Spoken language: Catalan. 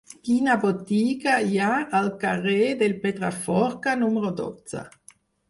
Quina botiga hi ha al carrer del Pedraforca número dotze?